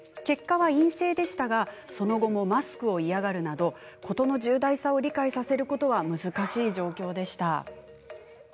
結果は陰性でしたがその後もマスクを嫌がるなど事の重大さを理解させることは難しい状況でした。